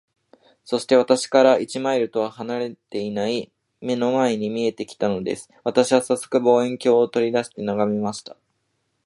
そして、私から一マイルとは離れていない眼の前に見えて来たのです。私はさっそく、望遠鏡を取り出して眺めました。